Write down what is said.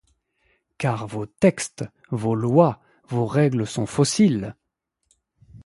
Car vos textes, vos lois, vos règles sont fossiles!